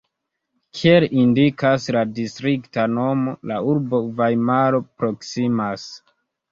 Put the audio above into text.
Kiel indikas la distrikta nomo, la urbo Vajmaro proksimas.